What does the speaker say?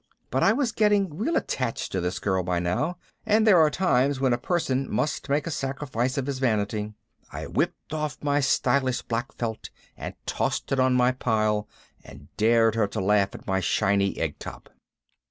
But I was getting real attracted to this girl by now and there are times when a person must make a sacrifice of his vanity. I whipped off my stylish black felt and tossed it on my pile and dared her to laugh at my shiny egg top.